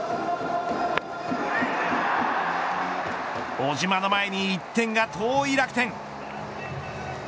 小島の前に１点が遠い楽天。